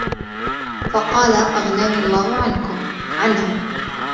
فَقَالَ أَغْنَانِي اللَّهُ عَنْهُمْ